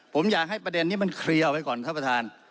ผมอยากให้ประเด็นนี้มันเคลียร์ไว้ก่อนครับประธาน